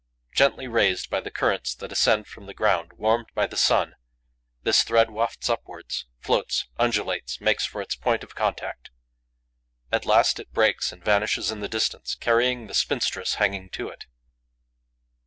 Gently raised by the currents that ascend from the ground warmed by the sun, this thread wafts upwards, floats, undulates, makes for its point of contact. At last, it breaks and vanishes in the distance, carrying the spinstress hanging to it.